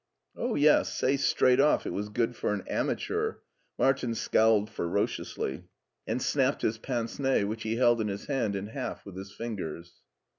" Oh, yes, say straight off it was good for an ama teur!" Martin scowled ferociously, and snapped his 94 MARTIN SCHULER pince nez, which he held in his hand, in half with his fingers.